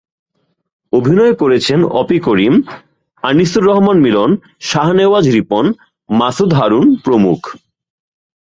অভিনয় করেছেন অপি করিম, আনিসুর রহমান মিলন, শাহনেওয়াজ রিপন, মাসুদ হারুণ প্রমুখ।